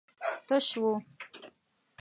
تش و.